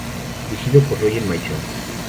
Dirigido por Roger Michell.